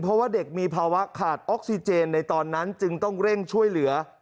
เพราะว่าเด็กมีภาวะขาดออกซิเจนในตอนนั้นจึงต้องเร่งช่วยเหลือ